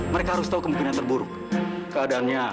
sudah sudah kiber abel itu ada dalamnya